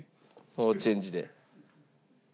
ノーチェンジで。